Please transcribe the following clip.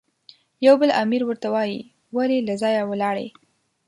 یو بل امیر ورته وایي، ولې له ځایه ولاړې؟